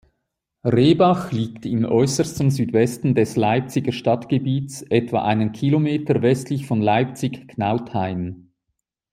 Rehbach liegt im äußersten Südwesten des Leipziger Stadtgebiets etwa einen Kilometer westlich von Leipzig-Knauthain.